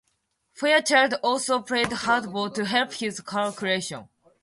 Fairchild also played hardball to help his circulation.